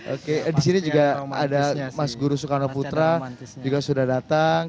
oke di sini juga ada mas guru soekarno putra juga sudah datang